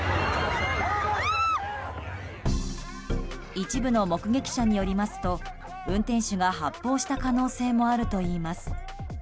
一部の目撃者によりますと運転手が発砲した可能性もあるといいます。